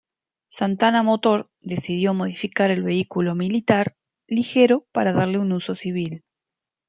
Santana Motor decidió modificar el vehículo militar Ligero para darle un uso civil.